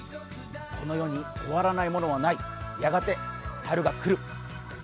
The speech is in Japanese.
この世に終わらないものはない、やがて春が来る。